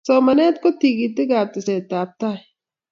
somanet ko tikitikab teseta ab tai